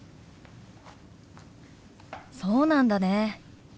そうなんだね。